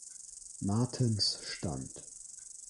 Martens Stand“.